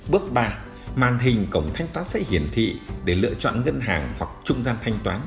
bước ba màn hình cổng thanh toán sẽ hiển thị để lựa chọn ngân hàng hoặc trung gian thanh toán